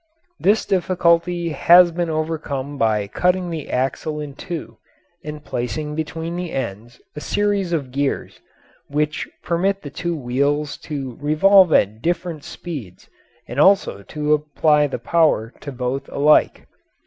This difficulty has been overcome by cutting the axle in two and placing between the ends a series of gears which permit the two wheels to revolve at different speeds and also apply the power to both alike.